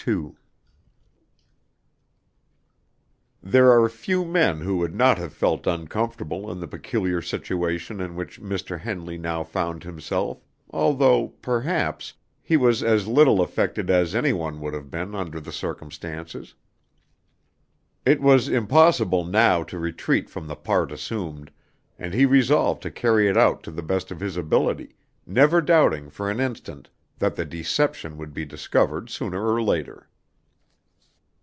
2 There are few men who would not have felt uncomfortable in the peculiar situation in which Mr. Henley now found himself, although, perhaps, he was as little affected as any one would have been under the circumstances. It was impossible now to retreat from the part assumed, and he resolved to carry it out to the best of his ability, never doubting for an instant that the deception would be discovered sooner or later.